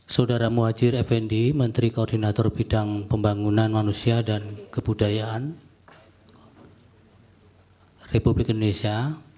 saudara muhajir effendi menteri koordinator bidang pembangunan manusia dan kebudayaan republik indonesia